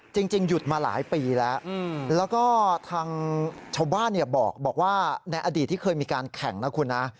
จริงหยุดมาหลายปีแล้วแล้วก็ทางชาวบ้านบอกว่าในอดีตที่เคยมีการแข่งนะคุณนะ